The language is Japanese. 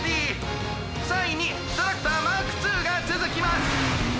３いにトラクターマークⅡがつづきます！